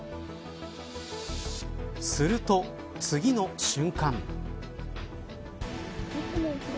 すると次の瞬間。